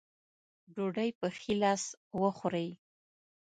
ډوډۍ پۀ ښي لاس وخورئ ـ